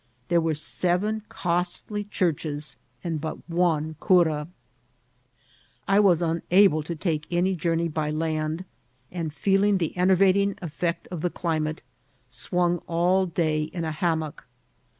There are seven costly churches and but one cura. I was imable to undertake any journey by land, and feeling the enervating effect of the climate, swung all day in a hammock.